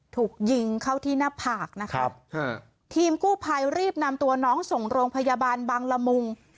ถูกยิงเข้าที่หน้าผากนะครับทีมกู้ภัยรีบนำตัวน้องส่งโรงพยาบาลบังละมุง